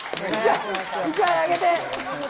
１枚あげて。